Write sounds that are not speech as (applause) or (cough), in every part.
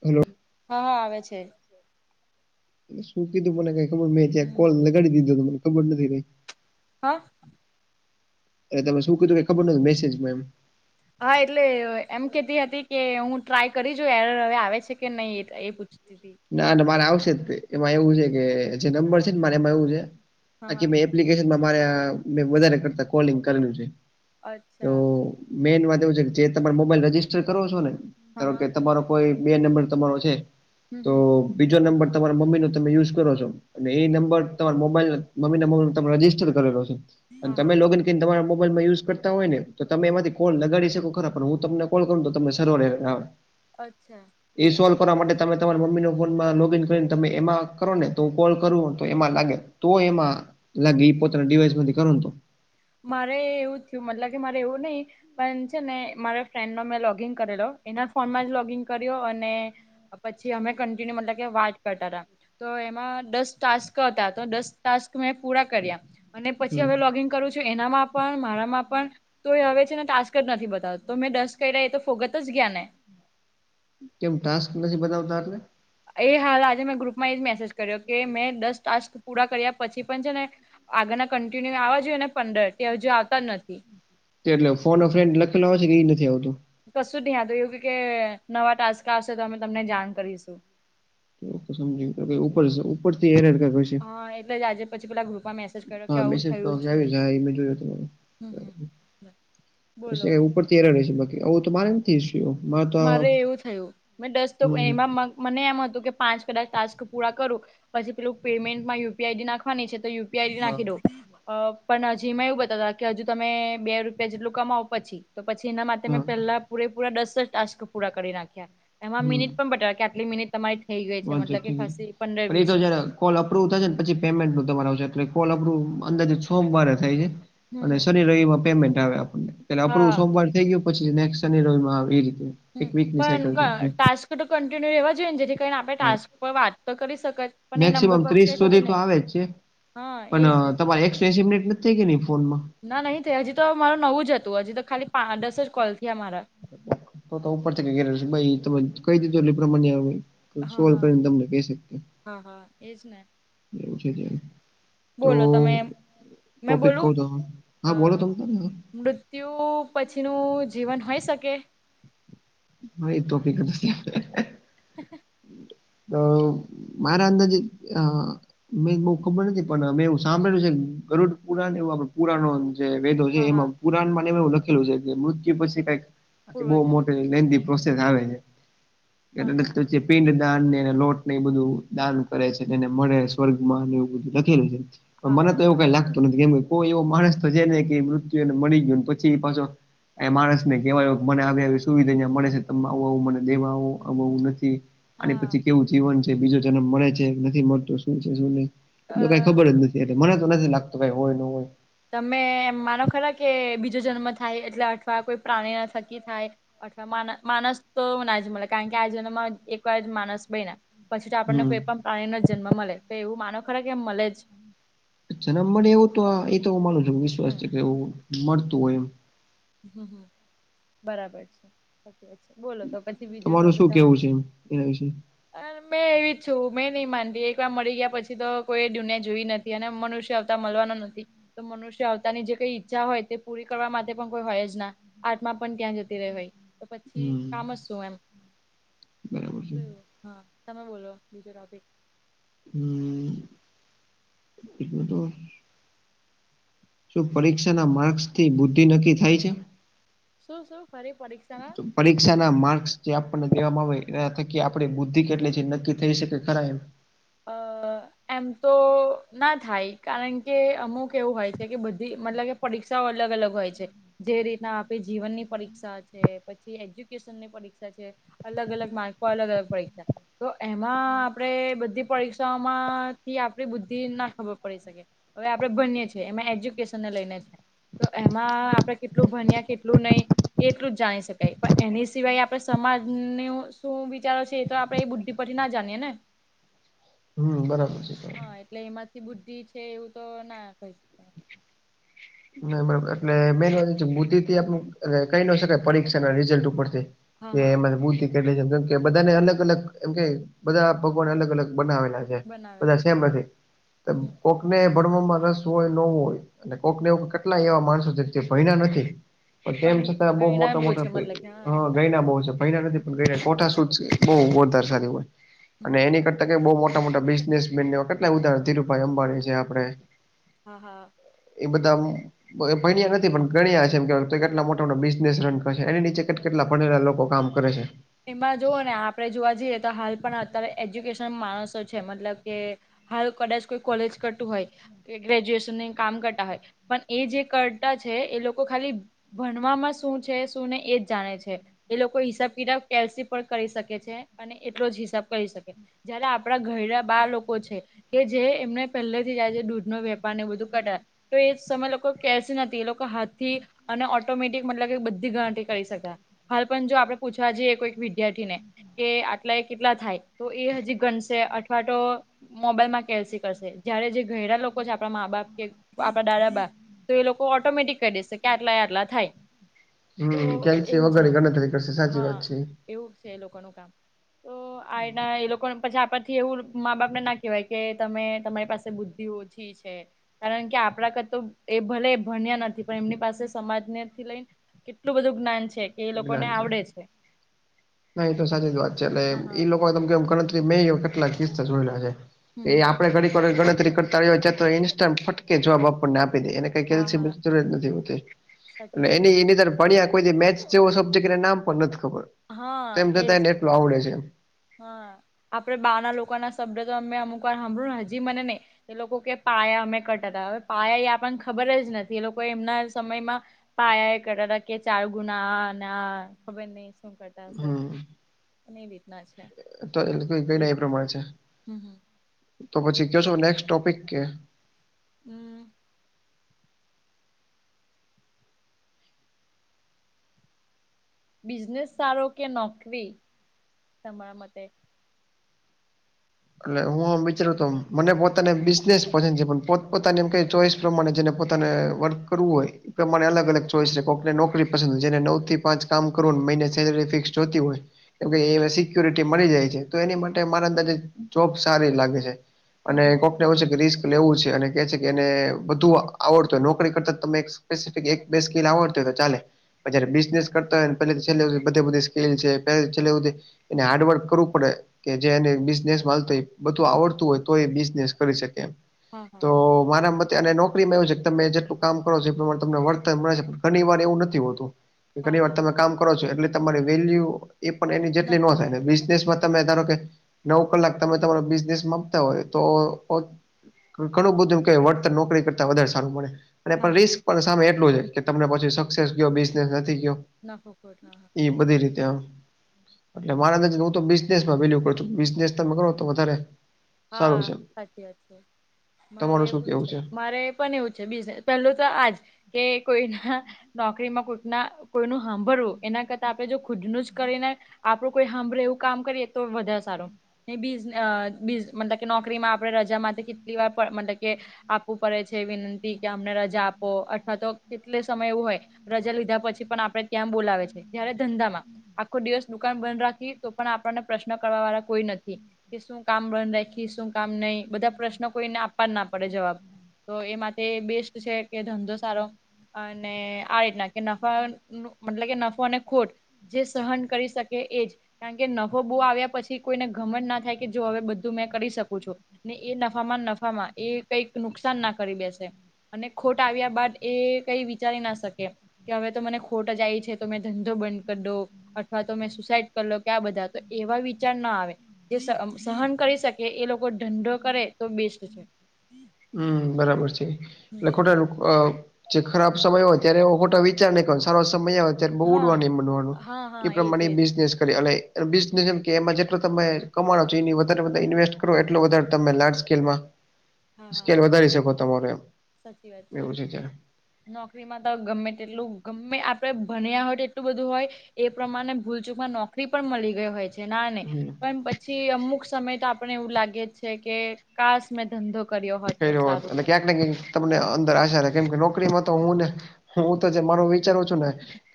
Hello. હા આવે છે. શું કીધું મને કઈ ખબર મેં ત્યાં હમ કોલ લગાડી દીધો હતો મને ખબર નથી કય. હા. એ તમેં શું કીધું કે ખબર નથી મેસેજમાં એમ. હા એટલે એમ કેતી હતી કે હું ટ્રાય કરી જોઉ એરર હવે આવે છે કે નય એ પૂછ પૂછતી ટી ના ના મારે આવશે જ એમાં એવું છે કે જે નંબર છે ને મારે એમાં એવું છે હા બાકી હા મે એપ મા મે કરતાલિંગ કરેલ છે. અચ્છા. મેઈન વાત એવું છે કે જે તમા મોબાઈલ રજિસ્ટર કરો છો ને હા ધ કે હા તમારો કોઈ બે નંબર તમારો છે. હમ તો હમ બીજો નંબર તમારા મમ્મીનોો તમે યુઝ કરો છો. અને એ નંબર તમારા મોબાઈલ મમી ના નંબર તમે રજજીસ્ટર કરેલો છે અને હા હા તમે લોગન તમારા મોબાઈલમાં યુઝ કરતા હોય ને તો તમે એમાંથી કોલ લગાડી શકો ખરા પણ હું તમને કોલ કરું તો તને સળ રહે. હા. અચ્છા બરા કરવા માટે તમે તમારા મમ્મી ફોનમાં લોગ ઈન કરીને તમે એમાં કરો ને તો હું કોલ કરું તો એમાં લાગે તો એમાં લાગે એ પોતાના ડિવાઈસ મથી કર ન તો મારે એવું થયું મતલબ કે મારે એવું નહી. પણ છે ને મારા ફ્રેન્ડનો મેં લોગિન કરેલો એના ફોનમાં જ લોગિન કર્યો અને પછી અમે કન્ટિન્યુ મતલબ કે વાટ કરતા હતા. તો એમાં દસ ટાસ્ક હતા તો દસ ટાસ્ક મેં પૂરા કર્યા અને પછી હમ હવે લોગિંગ એનામાં પણ મારામાં પણ. તો એ હવે છે ને ટાસ્ક જ નથી બતાવતો તો મેં દસ કર્યા એ તો ફોગત જ ગયા ને કેમ ટાસ્ક નથી બનાવતા આપને. એ હાલ આજે મેં ગ્રુપમાં એ જ મેસેજ કર્યો કે મેં દસ ટાસ્ક પૂરા કર્યા પછી પણ છે ને આગળના કન્ટિન્યુ આવવા જોઈએ ને પંદર ત્યા હજુ આવતા જ નથી. એટલે ફોન ફ્રેડ લખેલો હોય છે કે એ નથી આવતું. કશું નહીંયા તો એવું કે નવા ટાસ્ક આવશે તો અમે તમને જાણ કરીશું. ઉપર ઉપરથી એ (unintelligible) હા એટલે જ આજે પછી પલા ગ્રુપમાં મેસેજ કર્યો કે હા આવું મેસેજ હા થયું છે મે જોયું હમ હમ. બોલો તમા ઉપર તેર રહેશે બાકી આવું તમારે ને. થી છીયુ મત મારે એવું થયું મેં દસ તો એમાં મને એમ હતું કે પાંચ કદાચ ટાસ્ક પૂરા કરો પછી પેલું પેમેન્ટમાં યુપી આઈડી નાખવાની છે તો પારી હા નાખી દો પણ હજીમાં એવું બતાવતા કે હજુ તમે બે રૂપિયા જેટલું કમાવુ પછી. તો પછી એના માટે હા મેં પહેલા પૂરેપૂરા દસ જ ટાસ્ક પૂરા કરી નાખ્યા એમાં હમ મિનિટ પણ બતા કે આટલી મિનિટ તમારી થઈ ગઈ છે વાંધો મતલબ કે નહીં. ખસી પંદર પણ એ વીસ તો જયારે કોલ અપ્રુવ થાય છે ને પછી પેમેન્ટ નું તમાર આવશે એટલે કોલ અપ્રવ અંદાજે સોમવારે થાય છે. હમ અને હમ. શનિ રવિમાં પેમેન્ટ આવે આપણને એટલે આપણું હા સોમવાર થઈ ગયો પછી નેકસ શનિ રવી માં આવે એ રીતે. હમ એક વીકની પણ સાયકલ છે ટાસ્ક તો કન્ટિન્યુ રહેેવા જ હોય જેથી. આપણે ટાસ્ક પર વાત તો કરી શકાય પણ એ મેક્સિમમ ત્રીસ તો નંબર થતું નહી આવે જ છે. હા એજ ને સી મિનટ કે નહી ફોનમાં ના નહીં થઈ હજી તો મારું નવું જ હતું હજી તો ખાલી પા દસ જ કોલ થયા મારા. તોતા ઉપરથી ભાઈ તમે કઈ દીધું એલે પ્રમાણે હા સોલ હા કરીને તમને કહી શકીએ હા હા એજ ને જેવું છે. તો બોલો તમે મેં ટોપિક ક બોલું ત અ હા બોલો તમે તને મૃત્યુ પછીનું જીવન હોય શકે. હ એ તો ફિકત હ હ તો મારા અંદાજ આ મેં બહુ ખબર નથી પણ અમે એવું સાંભળેલ્યું છે કે ગરડ પુરાણ એવું આપડે પુરાણ જે વેદો છે હા હા એમાં પુરાણ માં એવું લખેલું છે કે મૃત્યુ પછી કઈક બહુ પૂર્વજન મોટે લેન્થી પ્રોસેસ આવે છે. હા હા એને (unintelligible) દાન ને એને લોટ ને એ બધું દાન કરે છે એને મળે સ્વર્ગમાં એવું બધું લખેલું છે. પણ હા મને તો હા એવું કઈ લાગતું નથી કેમ કોઈ એવો માણસ તો છે ને કે મૃત્યુને મળી ગયયો પછી એ પાછો એ માણસને કેહેવાય કે મને આવી આવી સુવિધા જ્યાં મળે છે ત આવું આવું મને દેવા આવ આવું નથી આને હા પછી કેવું જીવન છે બીજો જન્મ મળે છે નથી મળતો શું છે શું નહિ એ તો કઈ અ ખબર જ ન એટલે મને તો નથી લાગતું કાઈ હોય ન હોય તમે માનો ખરા કે બીજો જન્મ થાય એટલે અથવા કોઈ પ્રાણી ના થકી થાય અથવા માન માણસ તો ના જ મલે કારણ કે આ જનામાં એક વાર માણસ બઈના. પછી તો આપણને હમ કોઈ પણ પ્રાણીનો જન્મ મળે તો એવું માનો ખરે કે એમ મલે જ જનમ મળે એવું તો એ તો હું માનું છું વિશ્વાસ હમ છે કે એવું મળતું હોય એમ. હમ્મ હમ્મ બરાબર છે. તો કે છે બોલો તો પછી બીજો તમારું ટોપિક શું કાહો. કેવું છે એના વિશે અહ મેં એવી જ છું મેં નહી માનતી એક વાર મળી ગયા પછી તો કોઈ દુનિયા જોઈ ન થી અને મનુષ્ય આવતા મળવાનો નથી તો મનુષ્ય અહ આવતાની જે કઈ ઈચ્છા હોય તે પૂરી કરવા માટે પણ કોઈ હોય જ ના આર્ટમાં પણ ત્યાં જતી રહી હોય તો પછી કામ જ હમ શું એમ. બરાબર છે તો હા તમે બોલો બીજો ટાપિક. હમ્મ, બીજો તો શું પરીક્ષા ના માર્કસ થી બુદ્ધિ નક્કી થાય છે? શું શું ફરી પરીક્ષા ના પરીક્ષા ના માર્ક્સ જે આપણને દેવામાં આવે એના થકી આપડે બુદ્ધિ કેટલી છે નક્કી થઈ શકે ખરા એમ? અહ એમ તો ના થાય કારણ કે અમુક એવું હોય છે કે બધી મતલબ કે પરીક્ષાઓ અલગ અલગ હોય છે જે રીતના આપે જીવનની પરીક્ષા છે પછી એજ્યુકેશન ની પરીક્ષા છે અલગ અલગ માર્ક અલગ અલગ પરીક્ષા તો એમાં આપડે બધી પરીક્ષાઓમાં થી આપડી બુદ્ધિ ના ખબર પડી શકે. હવે આપડે ભળીએ છીએ એમાં એજ્યુકેશન ને લઈને છે તો એમાં આપડે કેટલું ભણ્યા કેટલું નહી એટલું જ જાણી શકાય પણ એની સિવાય આપડે સમાજનું શું વિચારો છે તો આપડે એ બુધ્ધિ પર ના જાણીએ ને હમ્મ, બરાબર છે. હા, બરાબર એટલે એમાંથી બુદ્ધિ છે એવું તો ના કહી શકાય. ના બરોબર એટલે મેન વાત છે બુધ્ધિ તે આપડે કહી ન શકાય પરીક્ષા ના‌ રિઝલ ઉપરથી હા કે હા એમાં બુધ્ધિ એટલે કે કેમ કે બધાને અલગ અલગ એમ કે બધા ભગવાને અલગ અલગ બનાવેલા છે. બધા બનાવેલા સેમ નથી છે કોકને ભણવામાં રસ હોય ન વું હોય અને કોક ને કોક કેટલાય એવા માણસો છે જે ભણ્યા નથી. પર તેમ પણ છતાં બઉુ ગયના મોટા બહુ છે મોટા મતલબ કે હ હા ગયના બહુ છે ભણ્યા નથી પણ ગણ્યા છે, કોઠા શું બહુ વધારે સારું હોય અને એની કરતા બ મો મોટા મોટા બિઝનેસમેન કેટલા ઉદાહરણ ધીરુપાઈ અંબાણી છે આપડે હા, હા. એ બધા એ ભણ્યા નથી પણ ગણ્યા છેમ કે કેટલા મોટા મોટા બિઝનેસ રન કરશે એની નીચે કેટ કેટલા ભણેલા લોકો કામ કરે છે. એમાં જુઓ ને આપડે જોવા જઈએ તો હાલ પણ અત્યારે એજ્યુકેશન માણસો છે મતલબ કે હાલ કદાચ કોઈ કોલેજ કરતું હોય કે ગ્રેજ્યુએશનને કામ કરતા હોય પણ એ જે કરતા છે એ લોકો ખાલી ભણવામાં શું છે શું ને એજ જાણે છે એ લોકો હિસાબ કિતાબ કેલ સી પણ કરી શકે છે અને એટલો જ હિસાબ કરી શકે. જયારે આપડા ઘરડા બા લોકો છે કે જે એમને પહેલેથી આજે દૂધ નો વેપારને એવું બધું કર્યા. તો એ સમય લોકો કેસી નથી, એ લોકો હાથ થી અને ઓટોમેટિક મતલબ કે બધી ધાટી કરી શક્યા, હાલ પણ જો આપડે પૂછવા જઈએ કોઈક વિદ્યાર્થી ને, કે આટલા એ કેટલા થાય? તો એ હજી ગનશે અઠવા તો મોબાઈલ માં કેલસી કરશે, જયારે જે ઘયડા લોકો છે, આપણા મા બાપ કે, આપડા દાદા બા તો એ લોકો ઓટોમેટિક કરી દેશે, કે આટલા યે આટલા થાય. તો હમ્મ, કેલ્શિ એવું છે વગરે ગણતરી કરશે, સાચી હા વાત છે. એવું છે એ લોકોનું કામ. હ. (inaudible) તો આયના એ લોકો પછી આપાથી એવું મા બાપને ના કહેવાય, કે તમે તમારી પાસે બુદ્ધિ ઓ છી છે. કારણ કે આપણા કરતો, એ ભલે ભણ્યા નથી, પણ એમની પાસે સમાજનેથી લઈને કેટલું બધું જ્ઞાન છે, કે એ લોકોને આવડે છે. ના એ તો સાચીજ વાત છે, એટલે હા ઈ હા લોકો તમકે ગણતરી મેઈ કેટલા કિસ્સા જોયેલા છે. એ આપડે ઘડીખર ગણતરી કરતા રહ્યો, ચાતો ઇન્સ્ટટ, ફટકે જવાબ આપણને આપી દે એને કઈ હા કેલસી હા બીજી જરૂરીયાત નથી હોતી, સાચી ને વાત એની એનીર ભણ્યા કોઈદિ મેચ જેવો સબ્જેક્ટ એના નામ પણ નથી ખબર, તો હા એમ એજ જતાને એટલો આવડે છે એમ, હા, આપડે બા ના લોકોના શબ્દ તો અમે અમુક વાર હાંભડુંને હજી મને નહી એ લોકો કે પાયા અમે કટાતા, હવે પાયા એ આપણને ખબર જ નથી, એ લોકો એમના સમયમાં પાયા એ કટાતા, કે ચાર ગુણા આ ના આ ખબર નહી શું કરતા હશે, હમ અને બી તો એ લોકો કઈના એ પ્રમાણે છે. હમ હમ તો પછી કશો નેક્સ્ટ ટોપિક કે હમ્મ બિઝનેસ સારો કે નોકરી? તમારા મતે. એટલે હું વિચારું તો, મને પોતાને બિઝનેસ પસંદ છે, પણ પોત પોતાની એમ કઈ ચોઈસ તો મને જેને પોતાને વર્ક કરવું હોય પ્રમાણે અલગ અલગ ચોઈસ છે, કોકને નોકરી પસંદ હોય, જેને નવ થી પાંચ કામ કરવાનું મહિને સેલરી ફિક્સ જોતી હોય. કેમ કે એ સિક્યોરિટી મળી જાય છે, તો એની માટે મારા અંદર જે જોબ સારી લાગે છે, હમ અને હમ કોક લેવો છેકે રિસ્ક લેવું છે, અને કેછેકે એને બધુ આવડતુ હોય, નોકરી કરતા તમે સ્પેસિફિક એક બે સ્કીલ આવડતી હોય તો ચાલે. પર જ્યારે બિઝનેસ કરતા હોયને, પેલે થી છેલે હુધી બધ બધી સ્કીલ છે, પે થી છેલ્લે હુંધી એને હાર્ડવર્ક કરવું પડે, કે જેને બિઝનેસ મલ બધું આવડતું હોય, તો એ બિઝનેસ કરી શકે એમ. હા હા તો મારા મતે, અને નોકરીમાં એવું છે કે તમે જેટલું કામ કરો છો, એ પ્રમાણે તમને વળતન મળે છે. ઘણી વાર એવું નથી હોતું. કે હા ઘણી વાર હા તમે કામ કરો છો, એટલે તમારી વેલ્યુ એ પણ એની જેટલી ન નથી થાય, ને હોતું બી બિઝનેસ મા તમે ધારો કે, નવ કલાક તમે તમારો બિઝનેસ મા આપતા હોય તો ઘણું બધું એમ કે વળતન નોકરી કરતા વધારે સારું મળે. અને હા પણ હા રિસ્ક પણ સામે એટલું છે, કે તમને પછી સક્સેસ કયો બિઝનેસ નથી ગયો. નફો ખોટ, હા હા. એ બધી રીતે આમ, એટલે મારા નજરે હું તો બિઝનેસમાં વેલ્યુ કરું છું, બિઝનેસ તમે કરો તો વધારે સારું હા છે. સાચી વાત છે, મારે તમારું શું એવું જ કેવું છે, મારે પણ એવું છે બિઝનેસ, પેલું તો આજ, કે કોઈના નોકરીમાં કોઈકના, કોઈનું સાંભળવું, એના કરતા આપણે જો ખુદનું જ કરીને આપડું કોઈ સાંભળે એવું કામ કરીએ તો વધારે સારું, ને બીજ અ બીસ મંડકે નોકરીમાં આપડે રજા માટે કેટલી વાર પર મંડકે આપવું પડે છે વિનંતી કે અમને રજા આપો અથવા તો કેટલે સમય એવું હોય રજા લીધા પછી પણ આપડણે ત્યાં બોલાવે છે જય્યારે ધંધા માં આખો દિવસ દુકાન બંધ રાખી તો પણ આપને પ્રશ્ન કરવા વાળા કોઈ નથી કે શું કામ બંધ રહે આખી શું કામ નહી બધા પ્રશ્નો કોઈને આપવા જ ના પડે જવાબ તો એમાં બેસ્ટ છે કે ધંધો સારો અને આ રીતનાખી કે નફા મતલબ કે નફો અને ખોટ જે સહન કરી શકે એજ કારણ કે નફો બો આવ્યા પછી કોઈને ગમન ના થાય કે જો હવે બધું મેં કરી શકું છો ને એ નફામાં નફામાં એ કઈક નુકસાન ના કરી બેસે અને ખોટ આવ્યા બાદ એ કઈ વિચારી ના શકે કે હવે તો મને ખોટ જ આવી છે તો મેં ધંધો બંધ કરી દો અથવા તો મેં સુસાઈડ કર લો કે આ બધા તો એવા વિચાર ના આવે જે સહન કરી શકે કે એ લોકો ધઢંંધો કરે તો બેસ્ટ છે. હમ બરાબર છે એટલે ખોટા (inaudible) જે ખરાબ સમય હોય ત્યારે એ ખોટા વિચાર નનેં કો સારો સમય અ બહુ હા ઉડવાનું બનવાનું હા હા એ એજ એજ પ્રમાણે બિઝનેસ કરી એ એ બિઝનેસ એમ કે એમાં જેટલો તમે કમાણો છો એની વધારે બા ઇન્વેસ્ટ કરો એટલો વધારે તમે લ્ સ્કેલમાં હા હા સ્કેલ વધારી શકો તમાર એમ સાચી વાત છે. એવું ત્યારે. નોકરીમાં તો ગમે તેટલું ગમે આપણે ભણ્યા હોય તો એટલું બધું હોય એ પ્રમાણે ભૂલચૂકમાં નોકરી પણ મળી ગઈ હોય છે. ના ને હમ્મ. પણ પછી અમુક સમય તો આપણે એવું લાગે છે કે ખાસ મેં ધંધો કર્યો હોત તો સારું ને (unintelligible) તમને અંદર આશા રહે કેમ કે નોકરીમાં તો હુંને હું તો જે મારો વિચારું છું ને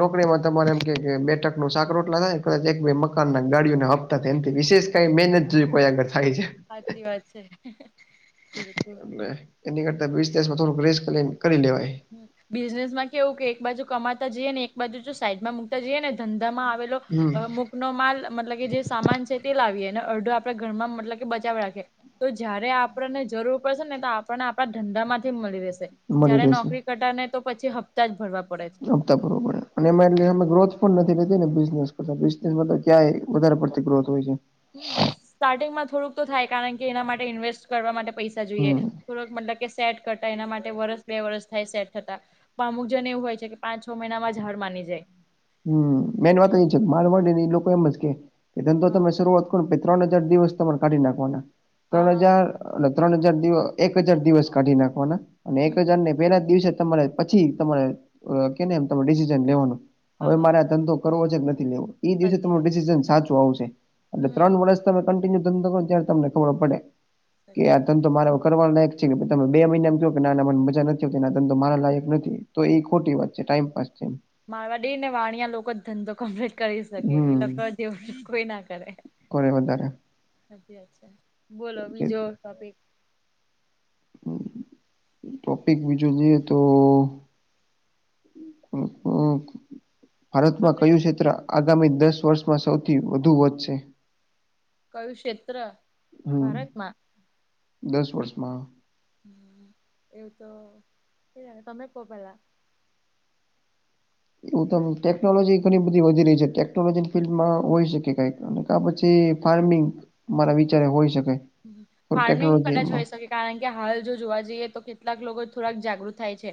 નોકરીમાં તમારે એમ કે બે ટંકનું સાક રોટલા થાય કદાચ એક બે મકાનના ગાડીઓને હપ્તા થાય એમથી વિશેષ કઈ મહેનત કોઈ આગ થાય છે. હાચી વાત છે. (unintelligible) ને એની કરતા વીસ દિવસમાં થોડુંક રેસ કરી કરી લેવાય. બિઝનેસ માં કેવું કે એક બાજુ કમાતા જઈએ ને એક બાજુ જો સાઈડમાં મુકતા જઈએ ને ધંધામાં આવેલો હમ અમુખ નો માલ મતલબ કે જે સામાન છે તે લાવીએ અને અડધો આપણે ઘરમાં મતલ કે બચાવ રાખીએ. તો જયારે આપણને જરૂર પડશે ને તો આપણને આપણા ધંધા માંથી મળી રહેશે. મળી જયારે રહેશે નોકરી કટા ને તો પછી હપ્તા જ ભરવા પડે. છે. આવતા બવું પડે અને એમાં એટલે મે ગ્રોથ નથી લેતીને બિને કરતા બિનેસ ક્યાં વધારે પડતી ગ્રોથ હોય છે. હમ સ્ટાર્ટિંગમાં થોડુંક તો થાય કારણ કે એના માટે ઇન્વેસ્ટ કરવા માટે પૈસા જોઈએ. હમ થોરક મતલબ કે સેટ કરતા એના માટે વરસ બે વરસ થાય સેટ થતા. તો અમુક જન એવું હોય છે કે પાંચ છ મહિનામા જ હાડ માની જાય હમ મેન વાત એટલે એ છે માલવડી ની એ લોકો એમ જ કે કે ધંધો હા તમે શરૂઆત‌ ત્રણ હજાર દિવસ તમારે કાઢી નાખવાના હા ત્રણ હા હજાર એટ ત્રણ હજાર દિવ એક હજાર દિવસ કાઢી નાખવાના અને એક હમ હમ હજાર ને પેલા દિવસે તમારે પછી તમારે કેમ ડિસિઝન લેવાનું હા હવે હા મારે ધંધો કરો કે નથી લેવ એ દિવસે સાચી તમા વાત ડિસિઝન સાચું આવશે એટલે હમ ત્રણ વર્ષ તમે કિન્યુ ધંધો કરો ત્યારે તમને ખબર પડે કે સાચી આ વાત ધંધો મારા વખ કરવા લાયક છે કે તમે બે મહિના જો નાના મને મજા નથી આવતી તંધ તો મારા લાયક નથી. તો એ ખોટી વાત છે ટાઈમપાસ છે. મારવાડી ને વાણિયા લોકો જ ધંધો કર કરી શકે એ હમ લોકો જેવું કોઈ ના કરે. કરે વધારે હચી વાત છે. બોલો જે બીજો ટોપિક. ટોપિક બીજું જોઈએ તો હમ્મ ભારતમાં આપડે કયું ક્ષેત્ર આગામી દસ વર્ષમાં સૌથી વધુ વધશે. કયું ક્ષેત્ર હમ ભારતમાં દસ વર્ષમાં. હમ્મ એવું તો તમે કો પેલા. એવું તમ ટેકનોલોજી ઘણી બધી વધી રહી છે. ટેકનોલોજી ફિલ્ડમાં હોય શકે કઈ અને કા પછી ફાર્મિંગ મારા વિચારે હોઈ શકે. ફાર્મિંગ ટેકનોલોજી કદાચ એમાં હોઈ શકે. કારણ કે હાલ જોવા જઈએ તો કેટલાક લોકો થોડાક જાગૃત થાય છે.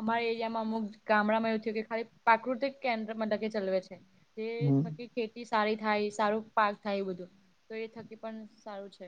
અમારા એરિયામાં અમુક ગામડામાં એવું થયુ કે ખાલી પ્રાકૃતિક કેન્દ્ર મદકે ચલવે છે. જે હમ થકી ખેતી સારી થાય સારું પાક થાય બધું તો એ થકી પણ સારું છે.